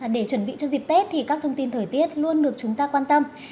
để chuẩn bị cho dịp tết thì các thông tin thời tiết luôn được chúng ta quan tâm